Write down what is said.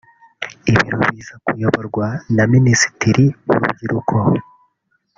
ibirori biza kuyoborwa na Minisitiri w’Urubyiruko